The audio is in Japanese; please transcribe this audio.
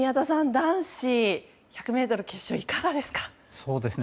男子１００ｍ決勝いかがですか？